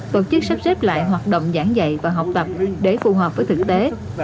tổ chức sắp xếp lại hoạt động giảng dạy và học tập để phù hợp với thực tế